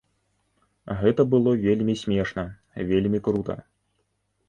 Гэта было вельмі смешна, вельмі крута.